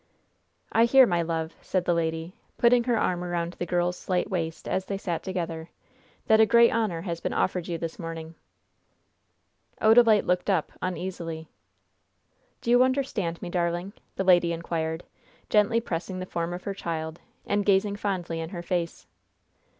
"I hear, my love," said the lady, putting her arm around the girl's slight waist, as they sat together, "that a great honor has been offered you this morning." Odalite looked up, uneasily. "Do you understand me, darling?" the lady inquired, gently pressing the form of her child, and gazing fondly in her face.